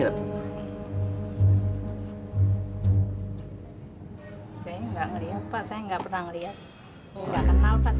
kayaknya nggak ngelihat pak saya nggak pernah ngelihat